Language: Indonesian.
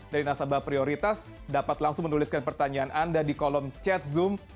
dari nasabah prioritas dapat langsung menuliskan pertanyaan anda di kolom chat zoom